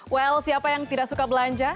well siapa yang tidak suka belanja